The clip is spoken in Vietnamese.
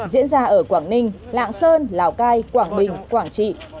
diễn ra ở quảng ninh lạng sơn lào cai quảng bình quảng trị